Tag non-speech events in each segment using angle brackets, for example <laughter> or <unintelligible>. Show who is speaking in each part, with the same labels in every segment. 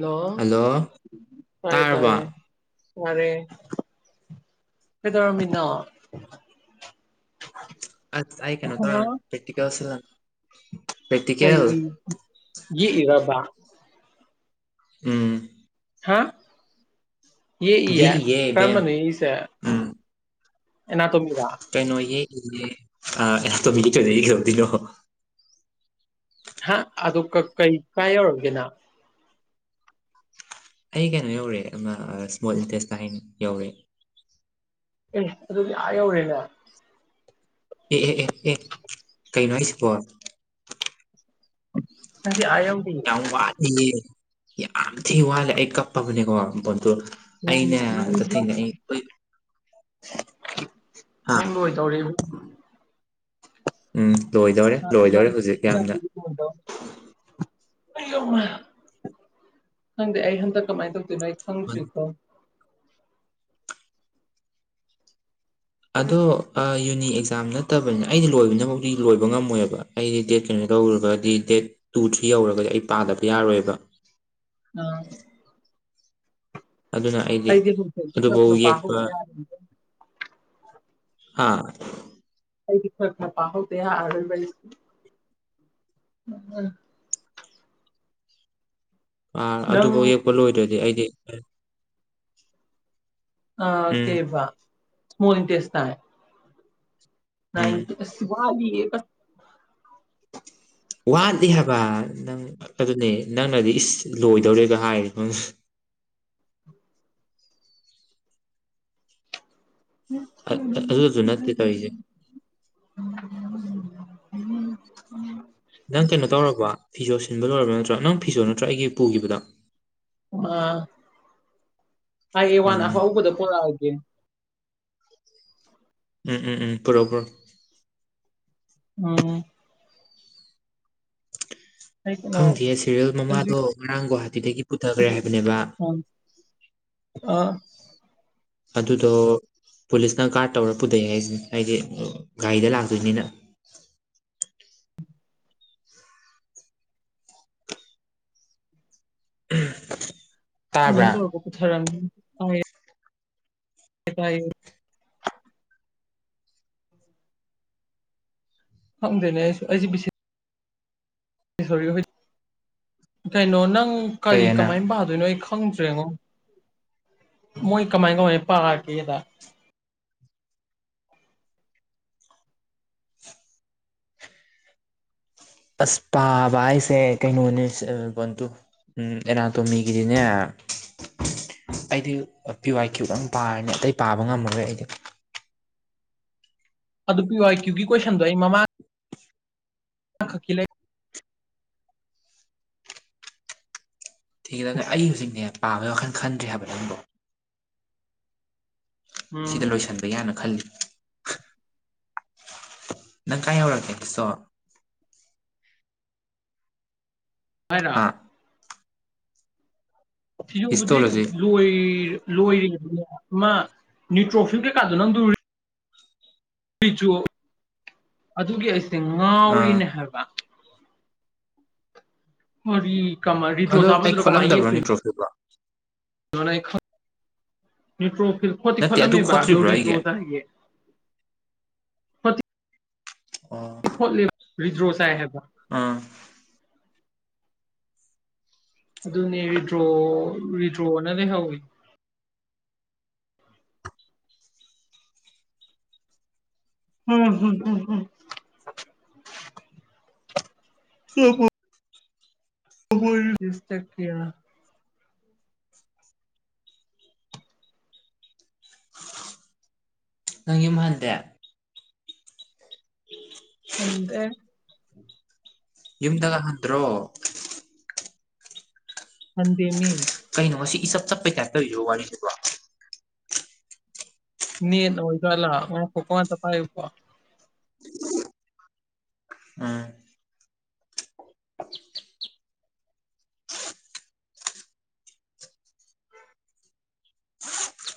Speaker 1: ꯂ
Speaker 2: ꯍꯜꯂꯣ
Speaker 1: ꯄꯥꯏ ꯇꯔ
Speaker 2: ꯇꯥꯔꯕ
Speaker 1: ꯌꯥꯔꯦ ꯀꯩꯗꯧꯔꯝꯃꯤꯅꯣ
Speaker 2: ꯑ ꯑ ꯀꯅ ꯇ
Speaker 1: ꯍꯥ
Speaker 2: ꯄꯦ ꯀꯁ
Speaker 1: ꯑꯩ ꯏꯔꯕ
Speaker 2: ꯎꯝ
Speaker 1: ꯍꯥ ꯌꯦ ꯏ ꯌꯥ
Speaker 2: ꯌꯦꯛꯏꯌꯦ ꯏꯕꯦꯝ
Speaker 1: ꯀꯔꯝꯃꯅꯤꯁ
Speaker 2: ꯎꯝ
Speaker 1: ꯑꯦꯅꯥ ꯇ ꯃꯤꯗꯥ
Speaker 2: ꯑꯣ ꯃꯤꯒꯗꯅꯣ
Speaker 1: ꯍꯥ ꯑꯗꯨ ꯀꯩ ꯀꯥꯏ ꯑꯣꯏꯔꯒꯦꯅ
Speaker 2: ꯑꯩ ꯀꯩꯅꯣ ꯌꯧꯔꯦ ꯑꯃ ꯏꯁꯃꯣꯜ ꯏꯟꯇꯦꯁꯇ ꯍꯥꯏꯅ ꯌꯧꯔꯦ
Speaker 1: ꯑꯗꯨ ꯑꯗꯨ ꯑꯔꯦꯅ
Speaker 2: ꯑꯦ ꯑꯦ ꯑꯦ ꯑꯦ ꯀꯩ ꯅ ꯁꯄꯣ
Speaker 1: ꯅꯪꯗꯤ ꯑꯥ ꯌꯧꯗ꯭ꯔꯤ
Speaker 2: ꯌꯥꯝ ꯋꯥꯠꯂꯤ ꯌꯥꯝ ꯊꯤ ꯋꯥꯠꯂꯦ ꯑꯩ ꯀꯞꯄꯕꯅꯦꯀꯣ
Speaker 1: ꯅꯪ
Speaker 2: ꯑꯩꯅ
Speaker 1: ꯂꯣꯏ ꯅꯪ ꯅꯪ
Speaker 2: ꯀꯊꯦꯡ ꯑꯣꯏ
Speaker 1: ꯅꯪ ꯂꯣꯏ ꯇꯧꯔꯤꯕ
Speaker 2: ꯎꯝ ꯂꯣꯏꯗꯧꯔꯦ ꯂꯣꯏꯗꯧꯔꯦ ꯍꯧꯖꯤꯛ ꯌꯥꯝꯅ
Speaker 1: ꯈꯪꯗꯦ ꯑꯩ ꯍꯟꯗꯛ ꯀꯃꯥꯏꯅ ꯇꯧꯗꯣꯏꯅꯣ ꯑꯩ ꯈꯪꯗ꯭ꯔꯤꯀꯣ
Speaker 2: ꯑꯗꯣ ꯌꯨꯅꯤ ꯑꯦꯛꯖꯥꯝ ꯅꯠꯇꯕꯅꯤꯅ ꯑꯩꯗꯤ ꯂꯣꯏꯕꯅꯕꯨꯥꯎꯗꯤ ꯂꯣꯏꯕ ꯉꯝꯃꯣꯏꯑꯕ ꯑꯩꯗꯤ ꯗꯦꯠ ꯀꯩꯅꯣ ꯀꯗꯧꯔꯒꯗꯤ ꯗꯦꯠ ꯇꯨ ꯊ꯭ꯔꯤ ꯌꯧꯔꯒꯗꯤ ꯑꯩ ꯄꯥꯗꯕ ꯌꯥꯔꯣꯏꯕ
Speaker 1: ꯑꯝ
Speaker 2: ꯑꯗꯨꯅ ꯑꯩꯗꯤ
Speaker 1: ꯍꯧꯖꯤꯛꯇꯤ ꯈꯔ
Speaker 2: ꯑꯗꯨꯐꯥꯎ
Speaker 1: ꯈꯔ
Speaker 2: ꯌꯦꯛꯄ
Speaker 1: ꯄꯥꯍꯧꯗ ꯌꯥꯔꯣꯏ
Speaker 2: ꯍꯥꯥ
Speaker 1: ꯑꯩꯗꯤ ꯈꯔ ꯈꯔ ꯄꯍꯗ ꯑꯔꯏ
Speaker 2: ꯑꯥ
Speaker 1: ꯅꯪ
Speaker 2: ꯑꯗꯨꯐꯥꯎ ꯌꯦꯛꯄ ꯂꯣꯏꯗ꯭ꯔꯗꯤ ꯑꯩꯗꯤ
Speaker 1: ꯑ ꯑꯣ
Speaker 2: ꯎꯝ
Speaker 1: ꯀꯦꯕꯥ ꯁꯃꯨ ꯏꯟꯇꯦꯁ ꯇ ꯅ
Speaker 2: ꯎꯝ
Speaker 1: ꯁꯤꯕꯂꯤ ꯀ
Speaker 2: ꯋꯥꯠꯂꯤ ꯍꯥꯏꯕ ꯅꯪ ꯑꯗꯨꯅꯦ ꯅꯪꯅꯗꯤ ꯏꯁ ꯂꯣꯏꯗꯧꯔꯦꯒ ꯍꯥꯏꯔ ꯅꯪ
Speaker 1: <inaudible>
Speaker 2: ꯑꯗꯨ ꯑꯗꯨ ꯑꯗꯨꯨ ꯅ ꯊ ꯇꯁ
Speaker 1: ꯎꯝ ꯎꯝ
Speaker 2: ꯅꯪ ꯀꯩꯅꯣ ꯇꯧꯔꯕ ꯐꯤꯖꯣ ꯁꯤꯟꯕ ꯂꯣꯏꯔꯕꯥ ꯅꯠꯇ꯭ꯔꯥ ꯅꯪ ꯐꯤꯖꯣ ꯅꯠꯇ꯭ꯔꯥ ꯑꯩꯒꯤ ꯄꯨꯈꯤꯕꯗ
Speaker 1: ꯑ ꯍꯥꯏ ꯑꯦ ꯋꯥꯟ
Speaker 2: ꯎꯝ
Speaker 1: ꯑꯍꯧꯕꯗ ꯄꯨꯣꯔꯛꯑꯒꯦ
Speaker 2: ꯎꯝ ꯎꯝ ꯎꯝ ꯄꯔꯣꯄꯔꯣ
Speaker 1: ꯎꯝ
Speaker 2: ꯈꯪꯗꯦꯌꯦ ꯁꯦꯔꯤꯜ ꯃꯃꯥꯗꯣ ꯉꯔꯥꯡ ꯒꯨꯍꯥꯇꯤꯗꯒꯤ ꯄꯨꯊꯈ꯭ꯔꯦ ꯍꯥꯏꯕꯅꯦꯕ ꯑꯗꯨꯗꯣ ꯄꯨꯂꯤꯁꯅ ꯀꯥꯔꯠ ꯇꯧꯔ ꯄꯨꯊꯣꯛꯑꯦ ꯍꯥꯏꯁꯤ ꯍꯥꯏꯗꯤ ꯒꯥꯔꯤꯗ ꯂꯥꯛꯇꯣꯏꯅꯤꯅ
Speaker 1: ꯑ
Speaker 2: ꯎꯝ
Speaker 1: ꯇꯕꯨ ꯀꯊꯔꯝ ꯀ ꯇ <unintelligible> <inaudible> ꯐꯪꯗꯦꯅꯦ ꯑꯩꯁꯨ ꯑꯩꯁꯦ ꯄꯦ <unintelligible> ꯀꯩꯅꯣ ꯅꯪ ꯀꯔꯤ
Speaker 2: ꯀꯩꯑꯅ
Speaker 1: ꯀꯃꯥꯏꯅ ꯄꯥꯗꯣꯏꯅꯣ ꯐꯪꯗ꯭ꯔꯦꯉꯣ ꯃꯣꯏ ꯀꯃꯥꯏ ꯀꯃꯥꯏꯅ ꯄꯥꯔꯒꯦꯗ
Speaker 2: ꯑꯁ ꯄꯥꯕ ꯑꯩꯁꯦ ꯀꯩꯅꯣꯅꯦ ꯕꯟꯇ ꯎꯝꯅꯥ ꯇꯨꯒꯗꯅꯦ ꯑꯩꯗꯤ ꯄꯤ ꯋꯥꯏ ꯀ꯭ꯌꯨꯕ ꯌꯥꯝ ꯄꯥꯔꯅꯦ ꯑꯇꯩ ꯄꯥꯕ ꯉꯝꯃꯔꯣꯏ ꯑꯩꯗꯤ
Speaker 1: ꯑꯗꯨ ꯄꯤꯌꯏ ꯀ꯭ꯌꯨꯀꯤ ꯀꯣꯏꯁꯟꯗꯣ ꯑꯩ ꯃꯃꯥ ꯑꯀꯤꯂꯩ
Speaker 2: ꯊꯤꯒꯤꯦꯗꯅ ꯑꯩ ꯍꯧꯖꯤꯛꯅꯦ ꯄꯥꯝꯃꯦꯒꯤ ꯋꯥꯈꯜ ꯈꯟꯗ꯭ꯔꯤ ꯍꯥꯏꯕꯅꯦ ꯅꯪꯗꯣ ꯁꯤꯗ ꯂꯣꯏꯁꯤꯟꯕ ꯌꯥꯅ ꯈꯜꯂꯤ ꯅ ꯀꯥꯏ ꯑꯣꯔ ꯀꯁꯣ
Speaker 1: ꯑꯔ
Speaker 2: ꯍꯥ
Speaker 1: ꯊꯁꯨ ꯍꯧꯖꯤꯛ
Speaker 2: ꯍꯤꯁꯇꯣꯂꯣꯖꯤ
Speaker 1: ꯂꯣꯏꯔ ꯂꯣꯏꯔꯅꯦ ꯑꯗꯨꯃ ꯅ꯭ꯌꯨꯇ꯭ꯔꯣꯐꯤꯞ ꯀꯩꯀꯥꯗꯣ ꯅꯪꯗꯨ ꯑꯩꯁꯨ ꯑꯗꯨꯒꯤ ꯑꯩꯁꯦ
Speaker 2: ꯑꯥ
Speaker 1: ꯉꯥꯎꯔꯤꯅꯦ ꯍꯥꯏꯕ ꯑꯣ
Speaker 2: ꯑꯗꯣ
Speaker 1: ꯀꯃꯔꯤ꯭ꯔꯣꯁꯕ
Speaker 2: ꯑꯩ
Speaker 1: ꯑꯗꯨꯔ ꯀꯃꯥꯏꯌꯦ
Speaker 2: ꯈꯣꯠꯂꯝꯗꯕ꯭ꯔꯣ ꯅꯤꯇ꯭ꯔꯣꯐꯤꯜꯕꯣ
Speaker 1: ꯅ ꯅꯇ꯭ꯔꯣ ꯐꯣꯤ
Speaker 2: ꯅꯠꯇꯦ
Speaker 1: ꯐꯂꯝ
Speaker 2: ꯑꯗꯨ ꯈꯣꯠꯇ꯭ꯔꯤꯕ꯭ꯔꯣ ꯑꯩꯒꯤ
Speaker 1: ꯑꯃꯕꯥꯗꯔꯤꯗ꯭ꯔꯣ ꯇꯦ
Speaker 2: ꯑꯣ
Speaker 1: ꯈꯣꯠꯂ ꯔꯤꯗ꯭ꯔꯣ ꯁꯥꯦꯕ
Speaker 2: ꯑꯥ
Speaker 1: ꯑꯗꯨꯅꯤ ꯤꯗ꯭ꯔꯣ ꯋꯤꯗ꯭ꯔꯣꯅ ꯂꯩ ꯍꯧꯋꯤ ꯍꯝ ꯍꯝꯝꯝ ꯍ ꯍꯣꯏ ꯁꯇꯛ ꯀꯌꯥ
Speaker 2: ꯍꯜꯗꯦ
Speaker 1: ꯅꯗꯦ
Speaker 2: ꯝꯗꯒ ꯍꯟꯗ꯭ꯔꯣ
Speaker 1: ꯍꯟꯗꯤ ꯃ
Speaker 2: ꯀꯩꯅꯣ ꯁꯤ ꯏꯁꯞ ꯆꯞꯄꯩ ꯀꯥꯏ ꯇꯧꯔꯤꯔ ꯋꯥꯔꯤꯁꯤꯕꯣ
Speaker 1: ꯅ ꯑꯣꯏꯗꯂ ꯐꯀ ꯇ ꯀꯥꯏꯀ
Speaker 2: ꯎꯝ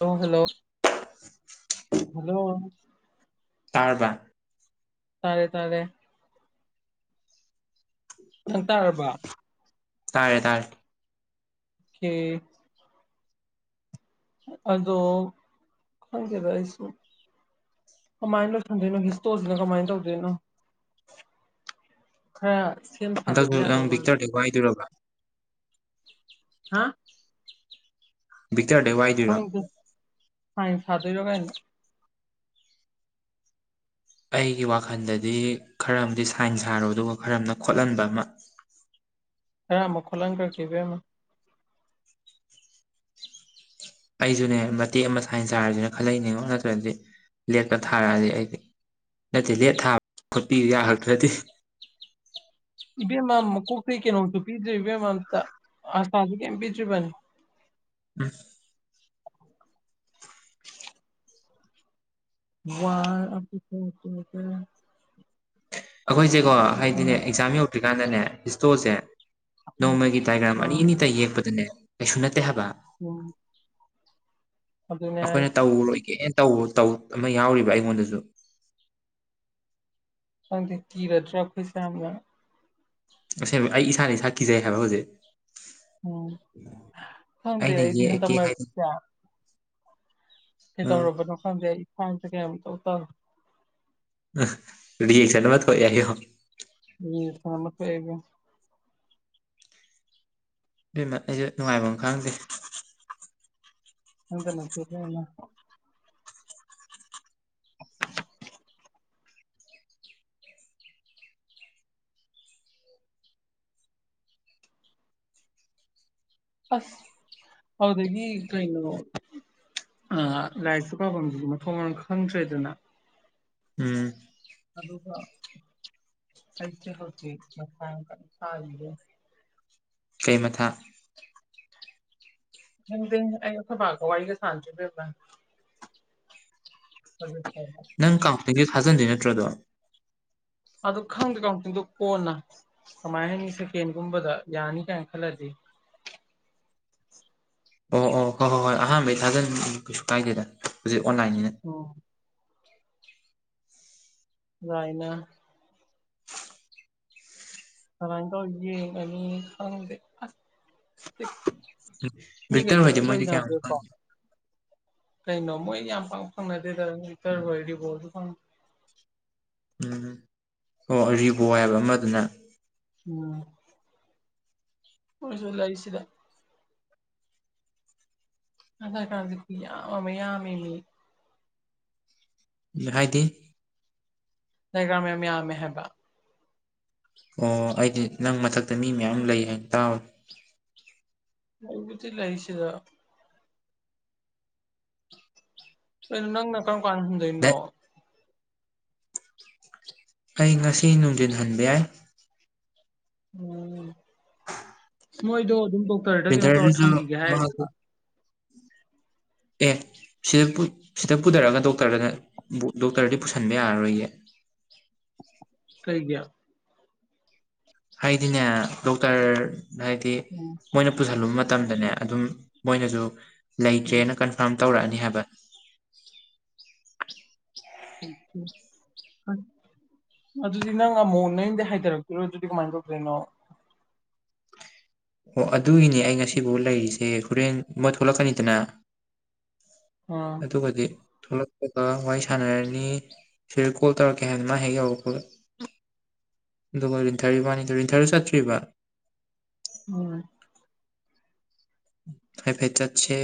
Speaker 1: ꯍꯜꯂ ꯍꯜꯂꯣ ꯍꯜꯂꯣ
Speaker 2: ꯇꯥꯔꯕ
Speaker 1: ꯇꯥꯔꯦ ꯇꯥꯔꯦ ꯅꯪ ꯇꯥꯔꯕ
Speaker 2: ꯇꯥꯔꯦ ꯇꯥꯔꯦ
Speaker 1: ꯀ <unintelligible> <inaudible> ꯑꯗꯣ ꯈꯪꯒꯦꯕꯥꯏꯁꯨꯨ ꯀꯃꯥꯏꯅ ꯇꯗꯅꯣ ꯍꯤꯁꯇ ꯍꯧꯖꯤꯅ ꯀꯃꯥꯏꯅ ꯇꯧꯗꯅꯣ ꯑ <unintelligible> <inaudible>
Speaker 2: ꯍꯟꯗꯛꯁꯨ ꯅꯪ ꯕꯤꯛꯇꯔꯗꯏꯗꯣꯏꯔꯕ
Speaker 1: ꯑ <unintelligible> <inaudible>
Speaker 2: ꯕꯤꯛꯇꯛꯇꯔꯗ ꯋꯥꯏꯗꯌꯨꯔ
Speaker 1: ꯍꯥꯏꯁꯗꯣꯏ ꯂꯣꯒꯥꯏꯅ
Speaker 2: ꯑꯩꯒꯤ ꯋꯥꯈꯜꯗꯗꯤ ꯈꯔ ꯑꯃꯗꯤ ꯁꯥꯏꯟ ꯍꯥꯏꯔꯣ ꯑꯗꯨꯒ ꯈꯔ ꯑꯃꯅ ꯈꯣꯠꯍꯟꯕ ꯑꯃ
Speaker 1: ꯍꯦ ꯑꯃꯛ ꯈꯣꯂ ꯀ ꯀꯈꯤꯕ ꯌꯥꯝꯅ
Speaker 2: ꯑꯩꯁꯨꯅꯦ ꯃꯇꯦꯛ ꯑꯃ ꯁꯥꯏꯟꯁ ꯍꯥꯏꯔꯁꯤꯅ ꯈꯜꯂꯛꯏꯅꯦꯉꯣ ꯅꯠꯇ꯭ꯔꯗꯤ ꯂꯦꯠꯄ ꯊꯥꯔꯛꯑꯗꯤ ꯑꯩꯗꯤ ꯅꯠꯇꯦ ꯂꯦꯠ ꯊꯥꯕ ꯈꯣꯠꯄꯤ ꯌꯥꯈꯛꯇ꯭ꯔꯗꯤ
Speaker 1: ꯏꯕꯦꯝꯃ ꯃꯀꯣꯛꯇ ꯀꯩꯅꯣꯁꯨ ꯄꯤꯗ꯭ꯔꯦ ꯏꯕꯦꯝꯃ ꯑꯝꯇ ꯑ ꯁꯥꯖ ꯀꯦꯝ ꯄꯤꯆꯨꯕꯅꯤ
Speaker 2: ꯁ
Speaker 1: ꯋꯥ
Speaker 2: ꯑꯩꯈꯣꯏꯁꯦꯀꯣ ꯍꯥꯏꯗꯤꯅꯦ ꯑꯦꯛꯖꯥꯝ ꯌꯧꯗ꯭ꯔꯤꯀꯥꯟꯗꯅꯦ ꯍꯤꯁꯇꯣꯁꯦ ꯅꯣꯡꯃꯒꯤ ꯗꯥꯏꯒ꯭ꯔꯥꯝ ꯑꯅꯤ ꯑꯅꯤꯇ ꯌꯦꯛꯄꯗꯅꯦ ꯀꯩꯁꯨ ꯅꯠꯇꯦ ꯍꯥꯏꯕ
Speaker 1: ꯎꯝ
Speaker 2: ꯑꯩꯈꯣꯏꯅ ꯇꯧꯕ ꯂꯣꯏꯒꯦ ꯧ ꯑꯃ ꯌꯥꯎꯔꯤꯕ ꯑꯩꯉꯣꯟꯗꯁꯨ
Speaker 1: ꯈꯪꯗꯤꯦ ꯀꯤꯔꯗ꯭ꯔꯥ ꯑꯩꯈꯩꯁꯥ ꯑꯃ
Speaker 2: ꯑꯁꯦꯡꯕ ꯑꯩ ꯏꯁꯥꯅ ꯏꯁꯥ ꯀꯤꯖꯩ ꯍꯥꯏꯕ ꯍꯧꯖꯤꯛ
Speaker 1: ꯎꯝ ꯈꯪꯗꯦ
Speaker 2: ꯑꯩꯅ
Speaker 1: ꯑꯩꯗꯤ ꯍꯟꯗꯛ
Speaker 2: ꯌꯦꯛꯑꯀꯦ ꯍꯥꯏꯗ
Speaker 1: ꯈꯦ ꯇꯧꯔꯄ ꯅ ꯈꯥꯟꯗꯦ ꯐ ꯀ ꯇꯧ ꯇ
Speaker 2: ꯁꯃ ꯀ ꯌꯥꯏꯣ
Speaker 1: ꯑꯣꯏꯣꯏꯒ
Speaker 2: ꯏꯦꯝꯃ ꯑꯩꯁꯨ ꯅꯨꯡꯉꯥꯏꯕ ꯑꯃ ꯈꯪꯗꯦ
Speaker 1: ꯍꯗꯅ ꯀꯦꯦꯟꯅ ꯑꯁ ꯍꯥꯎꯗꯗꯒꯤ ꯀ ꯑ ꯂꯥꯏꯔꯤꯛꯁꯨ ꯄꯥꯐꯝꯗꯨꯗꯤ ꯃꯊꯣꯡ ꯃꯔꯝ ꯈꯪꯗ꯭ꯔꯦꯗꯅ
Speaker 2: ꯎꯝ
Speaker 1: ꯑꯗꯨꯀ ꯍꯁ ꯍꯐ ꯃꯁꯥꯡ ꯀ ꯊꯥ
Speaker 2: ꯆꯩꯩ ꯃꯊꯥ
Speaker 1: ꯀꯗꯤ ꯑꯩ ꯕꯥꯀꯋꯥ ꯀ ꯁꯥꯟꯆ ꯐ
Speaker 2: ꯅꯪ ꯀꯝꯄꯅꯤꯒꯤ ꯊꯥꯖꯤꯟꯗꯣꯏ ꯅꯠꯇ꯭ꯔꯗꯣ
Speaker 1: ꯑꯗꯨ ꯈꯪꯗꯦ ꯈꯪꯛꯇꯪꯗꯣ ꯀꯣꯟꯅ ꯀꯃꯥꯏ ꯍꯥꯏꯅꯤ ꯁꯦꯀꯦꯟꯒꯨꯝꯕꯗ ꯌꯥꯅꯤ ꯀꯥꯏꯅ ꯈꯜꯂꯗꯤ <inaudible>
Speaker 2: ꯑꯣ ꯑꯣ ꯍꯣꯏ ꯍꯣꯏ ꯍꯣꯏ ꯑꯍꯥꯟꯕꯩ ꯊꯥꯖꯟ ꯀꯩꯁꯨ ꯀꯥꯏꯗꯦꯗ ꯍꯧꯖꯤꯛ ꯑꯣꯟꯂꯥꯏꯟꯅꯤꯅ
Speaker 1: ꯎꯝ ꯌꯥꯥꯏꯅ ꯔꯥꯡꯒꯥ ꯑꯣꯏꯦ ꯃꯤ ꯀꯩ
Speaker 2: ꯚꯤꯛꯇꯔ
Speaker 1: ꯄ ꯂ
Speaker 2: ꯍꯣꯏꯗꯤ ꯃꯣꯏꯗꯤ ꯀꯌꯥꯝ
Speaker 1: ꯂꯣꯏꯗꯈ꯭ꯔꯦꯀꯣ ꯀꯩꯅꯩꯅꯣꯃꯣꯏ ꯌꯥꯝ ꯐꯪ ꯐꯪꯅꯗꯦꯗ ꯏꯇꯔ ꯑꯣꯏꯗꯤꯣꯁꯨ ꯐꯪꯗ
Speaker 2: ꯎꯝꯝ ꯑꯣ ꯔꯤꯕꯣ ꯍꯥꯏꯕ ꯑꯃꯗꯨꯅ
Speaker 1: ꯎꯝꯁꯤꯔ ꯑ ꯀ ꯑꯗꯨꯃꯌꯥꯃꯦ ꯂꯩꯦ
Speaker 2: ꯥꯏꯗꯤ
Speaker 1: ꯅꯒ꯭ꯔꯥ ꯃ ꯃ꯭ꯌꯥꯝ ꯃꯍꯕꯥ
Speaker 2: ꯑꯣ ꯑꯩꯗꯤ ꯅꯪ ꯃꯊꯛꯇ ꯃꯤ ꯃꯌꯥꯝ ꯂꯩ ꯍꯥꯏꯅ ꯇꯥꯕꯦ
Speaker 1: ꯃꯕꯨꯗꯤ ꯂꯩꯁꯤꯗ ꯟꯅꯪꯅ ꯀꯔ ꯀꯥꯟꯗꯅꯣ
Speaker 2: ꯑꯩ ꯉꯁꯤ ꯅꯨꯡꯊꯜ ꯍꯟꯕ ꯌꯥꯏ
Speaker 1: ꯎꯝ ꯃꯣꯏꯗꯣ ꯑꯗꯨꯝ ꯗꯣꯛꯇꯔꯗ ꯀꯩꯅꯣ ꯇꯧꯔ
Speaker 2: ꯄ꯭ꯔꯤꯟꯇꯔꯗꯨꯁꯨ
Speaker 1: ꯊꯝꯈꯤꯒꯦ
Speaker 2: ꯃꯥꯁꯨ
Speaker 1: ꯍꯥꯏꯒꯕ
Speaker 2: ꯑꯦ ꯁꯤꯗ ꯁꯤꯗ ꯄꯨꯊꯔꯒꯗꯣ ꯗꯣꯛꯇꯔ ꯗꯣꯛꯇꯔꯗꯤ ꯄꯨꯁꯤꯟꯕ ꯌꯥꯔꯔꯣꯏꯌꯦ
Speaker 1: ꯊꯩꯒꯌꯥ
Speaker 2: ꯍꯥꯏꯗꯤꯅꯦ ꯗꯣꯛꯇꯔ ꯍꯥꯏꯗꯤ
Speaker 1: ꯎꯝ
Speaker 2: ꯃꯣꯏꯅ ꯄꯨꯁꯤꯜꯂꯨꯕ ꯃꯇꯝꯗꯅꯦ ꯑꯗꯨꯝ ꯃꯣꯏꯅꯁꯨ
Speaker 1: ꯎꯝ
Speaker 2: ꯂꯩꯇ꯭ꯔꯦꯅ ꯀꯟꯐꯥꯔꯝ ꯇꯧꯔꯛꯑꯅꯤ ꯍꯥꯏꯕ
Speaker 1: ꯎꯝꯝ ꯍ ꯑꯗꯨꯗꯤ ꯅꯪ ꯑꯃꯨꯛ ꯅꯪꯗꯤ ꯍꯥꯏꯊꯔꯛꯇꯔꯣ ꯑꯗꯨꯗꯤ ꯀꯃꯥꯏꯅ ꯇꯧꯗꯔꯤꯅꯣ
Speaker 2: ꯑꯣ ꯑꯗꯨꯒꯤꯅꯤ ꯑꯩ ꯉꯁꯤꯐꯥꯎ ꯂꯩꯔꯤꯁꯦ ꯍꯣꯔꯦꯟ ꯑꯃ ꯊꯣꯛꯂꯛꯀꯅꯤꯗꯅ
Speaker 1: ꯑꯥ
Speaker 2: ꯑꯗꯨ ꯀꯗꯤ ꯊꯣꯛꯂꯛꯄꯒ ꯋꯥꯔꯤ ꯁꯥꯟꯅꯔꯅꯤ ꯁꯤꯗ ꯀꯣꯜ ꯇꯧꯔꯛꯀꯦ ꯍꯥꯏꯅ ꯃꯥ ꯍꯦꯛ ꯌꯧꯔꯄꯣꯠꯂ ꯑꯗꯨꯒ ꯂꯤꯟ ꯊꯔꯔꯤꯕꯅꯤ ꯏꯇꯔꯤ ꯊꯔꯨ ꯁꯥꯠ꯭ꯔꯤꯔꯤꯕ
Speaker 1: ꯎꯝ
Speaker 2: ꯍꯥꯏꯦ ꯐꯦꯠ ꯆꯥꯠꯁꯦ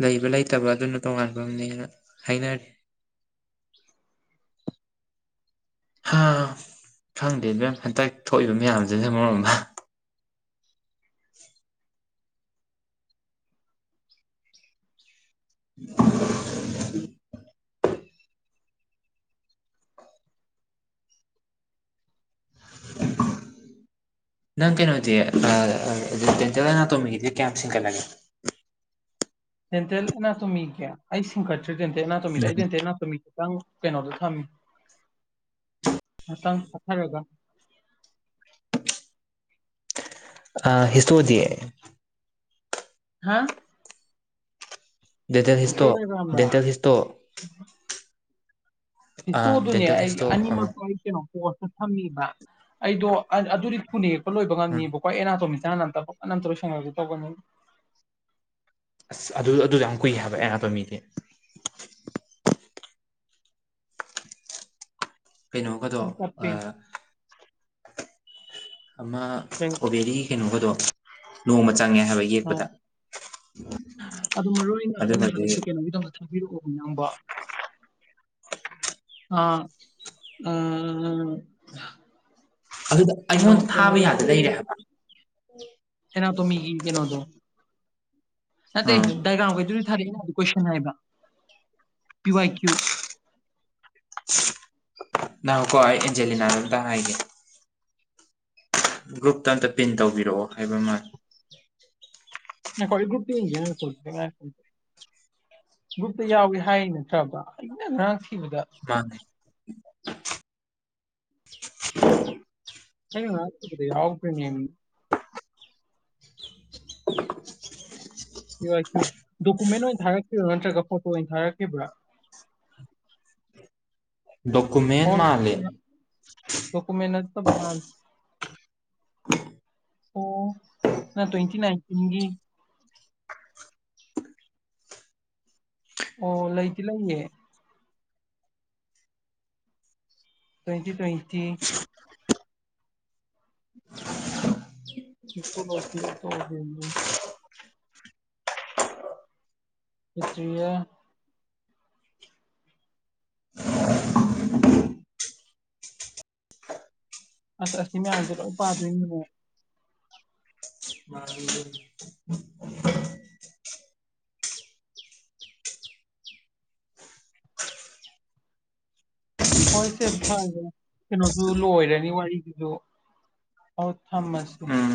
Speaker 2: ꯂꯩꯕ ꯂꯩꯇꯕ ꯑꯗꯨꯅ ꯇꯣꯉꯥꯟꯐꯝꯅꯦꯅ ꯍꯥꯏꯅꯔꯤ
Speaker 1: <unintelligible>
Speaker 2: ꯈꯪꯗꯦ ꯑꯗꯨꯦꯝ ꯍꯟꯇꯛ ꯊꯣꯛꯏꯕ ꯃꯌꯥꯝꯁꯤꯅ ꯃꯔꯣ ꯑꯃ <unintelligible> <unintelligible>
Speaker 1: <unintelligible>
Speaker 2: ꯅꯪ ꯀꯩꯅꯣ ꯍꯥꯏꯗꯤꯦ ꯑ ꯇꯣꯃꯤꯦ ꯀꯦꯝꯁꯤꯡꯀꯠꯂꯒꯦ
Speaker 1: <unintelligible> ꯑꯦꯅꯥ ꯇꯃꯤꯒꯦ ꯑꯩꯁꯤꯤꯡ ꯀꯠ꯭ꯔꯗꯦꯟꯦꯅꯥ ꯇꯗꯗꯦꯟꯦꯅꯥ ꯇꯝꯒꯦ ꯉꯇꯪ ꯀꯩꯅꯣꯗ ꯊꯝꯃꯤ ꯉꯥꯛꯇꯪ ꯆꯠꯊꯔꯒ
Speaker 2: ꯑ ꯍꯆꯑꯣ ꯗꯌꯦ
Speaker 1: ꯍꯥ
Speaker 2: ꯗꯦꯟꯇꯦꯜ ꯍꯤꯁꯇꯣ
Speaker 1: ꯍꯤꯁꯇꯣꯗꯥꯏꯒ꯭ꯔꯥꯝꯔꯥ
Speaker 2: ꯗꯦꯟꯇꯦꯜ ꯍꯤꯁꯇꯣ
Speaker 1: ꯍ ꯇꯣ
Speaker 2: ꯑꯥ
Speaker 1: ꯑꯗꯨꯅꯦ
Speaker 2: ꯗꯦꯟꯇꯦꯜ
Speaker 1: ꯑꯩ
Speaker 2: ꯍꯤꯁꯇꯣ ꯑꯥ
Speaker 1: ꯑꯅꯤꯃꯛꯇ ꯑꯩ ꯀꯩꯅꯣ ꯄꯣꯁꯇ ꯊꯝꯃꯤꯕ ꯑꯩꯗꯣ ꯑꯗꯨꯗꯤ ꯐꯨꯅꯦꯛꯔꯛꯄ ꯂꯣꯏꯕ
Speaker 2: ꯎꯝ
Speaker 1: ꯉꯝꯅꯦꯕꯀꯣ ꯑꯦꯅꯥꯇꯣꯃꯤꯛꯁ ꯌꯥꯅ ꯅ ꯇꯔ ꯎꯁꯪ ꯑꯣꯏꯗꯨ ꯇꯅꯤ
Speaker 2: ꯑꯁ ꯑꯗꯨ ꯑꯗꯨꯗ ꯌꯥꯝ ꯀꯨꯏ ꯍꯥꯏꯕ ꯑꯍꯞꯄ ꯃꯤꯗꯤ ꯀꯩꯅꯣꯝꯒꯗꯣ
Speaker 1: ꯇꯞꯄꯦ
Speaker 2: ꯑꯃ
Speaker 1: ꯀꯩ
Speaker 2: ꯏꯁꯇ꯭ꯔꯣꯕꯦꯔꯤ ꯀꯩꯅꯣꯒꯗꯣ ꯅꯣꯡꯃ
Speaker 1: ꯑ
Speaker 2: ꯄꯗ
Speaker 1: ꯑꯗꯨ ꯃꯔꯨ ꯑꯣꯏꯅ ꯑꯩꯅ ꯍꯥꯏꯗ ꯀꯩꯅꯣꯒꯤꯗꯃꯛꯇ ꯊꯥꯕꯤꯔꯛꯑꯣ ꯅꯌꯥꯝꯕ ꯑꯥ ꯎꯝ ꯎ ꯎꯝ
Speaker 2: ꯑꯗꯨꯗ ꯑꯩꯉꯣꯟꯗ ꯊꯥꯕ ꯌꯥꯗ ꯂꯩꯔꯦꯕ
Speaker 1: ꯀꯩꯅ ꯇꯣ ꯃꯤꯒꯤ ꯀꯩꯅꯣꯗꯣ ꯅ
Speaker 2: ꯑꯥ
Speaker 1: ꯍꯗꯥꯒꯈꯩ ꯑꯗꯨꯗꯤ ꯊꯥꯔꯦ ꯀꯣꯏꯁꯟ ꯍꯥꯏꯕ ꯄꯤ ꯋꯥꯏ ꯀ꯭ꯌꯨ
Speaker 2: ꯅꯍꯧꯀꯣ ꯑꯩ ꯑꯦꯟꯖꯦꯂꯤꯅꯥꯅ ꯑꯝꯇ ꯍꯥꯏꯒꯦ ꯒ꯭ꯔꯨꯞꯇ ꯑꯝꯇ ꯄꯤꯟ ꯇꯧꯕꯤꯔꯛꯑꯣ ꯍꯥꯏꯕ ꯃꯥ
Speaker 1: ꯍꯔꯒ꯭ꯔꯨꯨꯞ ꯇ ꯏꯟꯖꯔ ꯒ꯭ꯔꯨꯞꯇ ꯌꯥꯎꯏꯤ ꯍꯥꯏ ꯅꯠꯇ꯭ꯔꯕ ꯑꯩꯅ ꯉꯍꯥꯡ
Speaker 2: ꯀ
Speaker 1: ꯗ ꯌꯥꯎ ꯀ꯭ꯔꯅꯤ ꯗꯣꯀꯨꯃꯦꯟ ꯑꯣꯏꯅ ꯊꯥꯔꯛꯈꯤꯕ꯭ꯔꯥ ꯅꯠꯇ꯭ꯔꯒ ꯐꯣꯇꯣ ꯑꯣꯏꯅ ꯊꯥꯔꯛꯈꯤꯕ꯭ꯔꯥ <unintelligible>
Speaker 2: ꯗꯣꯀꯨꯃꯦꯟ ꯃꯥꯜꯂꯦ
Speaker 1: ꯇꯀꯨ ꯃ ꯅꯠꯇꯠꯇ ꯃꯥꯟ ꯑꯣ ꯇ꯭ꯋꯦꯟꯇꯤ ꯅꯥꯏꯟꯇꯤꯟꯒꯤ ꯑꯣ ꯂꯩꯗꯤ ꯂꯩꯌꯦ ꯀꯣꯏꯇ ꯀ꯭ꯣꯏꯇ ꯣ ꯁ ꯑꯣꯏꯇꯥꯁ ꯑ ꯄꯇ꯭ꯔꯤꯦ ꯑꯁ ꯑꯁ ꯃꯌꯥꯝꯁꯦ ꯂꯣꯏ ꯄꯥꯗꯣꯏꯅꯤꯅꯦ ꯍꯣꯏ ꯁꯦ ꯐꯔꯦ ꯀꯩꯅꯣꯁꯨ ꯂꯣꯏꯔꯅꯤ ꯋꯥꯔꯤꯁꯤꯁꯨ ꯑ ꯊꯝꯃꯁꯦ
Speaker 2: ꯎꯝ